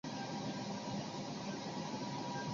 拟全缘比赖藓为锦藓科比赖藓属下的一个种。